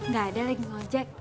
gak ada lagi ngajak